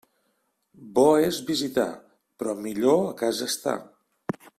Bo és visitar, però millor a casa estar.